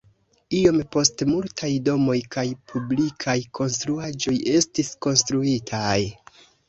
Iom poste multaj domoj kaj publikaj konstruaĵoj estis konstruitaj.